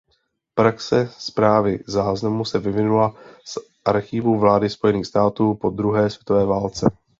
Praxe správy záznamů se vyvinula z archivů vlády Spojených států po druhé světové válce.